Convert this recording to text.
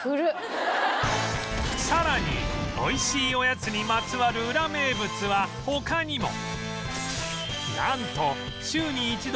さらに美味しいおやつにまつわるウラ名物は他にも！